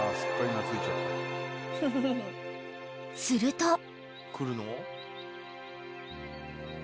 ［すると］